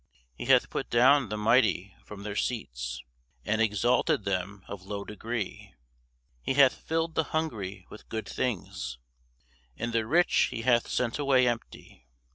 He hath put down the mighty from their seats, And exalted them of low degree. He hath filled the hungry with good things; And the rich he hath sent empty away.